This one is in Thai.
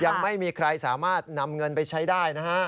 ยังไม่มีใครสามารถนำเงินไปใช้ได้นะฮะ